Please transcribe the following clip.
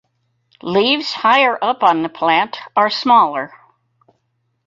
Leaves higher up on the plant are smaller.